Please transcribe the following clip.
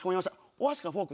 お箸かフォーク